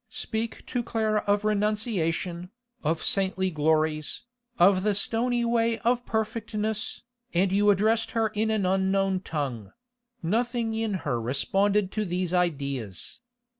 Speak to Clara of renunciation, of saintly glories, of the stony way of perfectness, and you addressed her in an unknown tongue; nothing in her responded to these ideas.